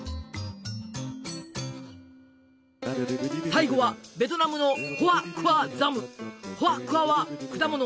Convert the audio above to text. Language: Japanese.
最後はベトナムの「ホア・クア」は果物。